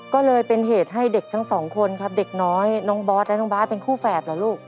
ก็เลยเป็นเหตุให้เด็กทั้งสองคนครับเด็กน้อยน้องบอสและน้องบาทเป็นคู่แฝดเหรอลูก